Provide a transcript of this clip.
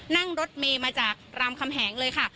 นั่งรถเมย์มาจากรามคำแหงเลยค่ะ